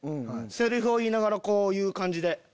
セリフを言いながらこういう感じで。